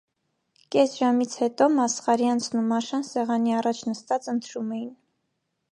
Կես ժամից հետո Մասխարյանցն ու Մաշան սեղանի առաջ նստած ընթրում էին: